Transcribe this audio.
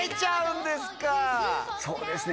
そうですね